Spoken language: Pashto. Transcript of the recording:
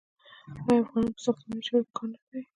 آیا افغانان په ساختماني چارو کې کار نه کوي؟